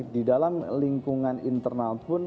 di dalam lingkungan internal pun